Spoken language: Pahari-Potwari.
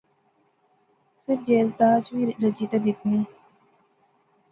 فیر جہیز داج وی رجی تے دیتنی